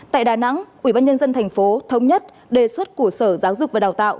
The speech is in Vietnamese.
tại đà nẵng ubnd tp thống nhất đề xuất của sở giáo dục và đào tạo